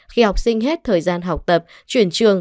khi học sinh hết thời gian học tập chuyển trường